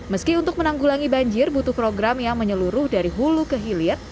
meski untuk menanggulangi banjir butuh program yang menyeluruh dari hulu ke hilir